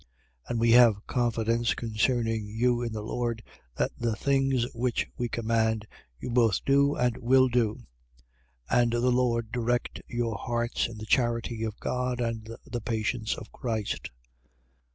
3:4. And we have confidence concerning you in the Lord that the things which we command, you both do and will do. 3:5. And the Lord direct your hearts, in the charity of God and the patience of Christ.